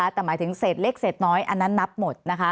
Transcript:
แต่หมายถึงเศษเล็กเศษน้อยอันนั้นนับหมด